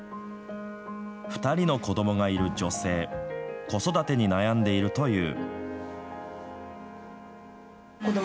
２人の子どもがいる女性子育てに悩んでいると言う。